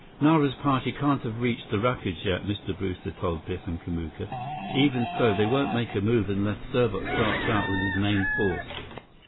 "Nara's party can't have reached the rapids yet," Mr. Brewster told Biff and Kamuka. "Even so, they won't make a move unless Serbot starts out with his main force.